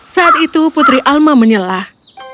saat itu putri alma menyelah